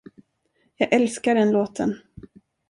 Jag älskar den låten.